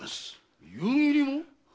夕霧も⁉